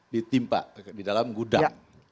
ditimpa di dalam gudang